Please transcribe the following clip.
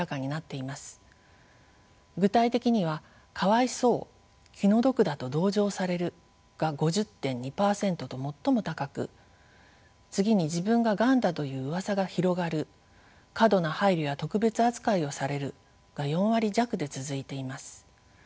具体的には「かわいそう気の毒だと同情される」が５０．２％と最も高く次に「自分が『がん』だといううわさが広がる」「過度な配慮や特別扱いをされる」が４割弱で続いています。